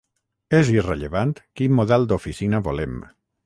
És irrellevant quin model d'oficina volem.